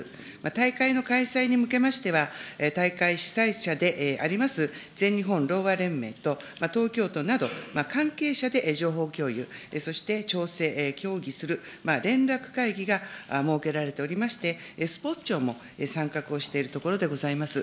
大会の開催に向けましては、大会主催者であります全日本ろうあ連盟と、東京都など、関係者で情報共有、そして調整、協議する、連絡会議が設けられておりまして、スポーツ庁も参画をしているところでございます。